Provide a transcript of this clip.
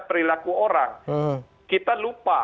perilaku orang kita lupa